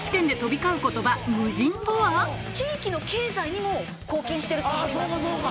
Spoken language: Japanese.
地域の経済にも貢献してると思います。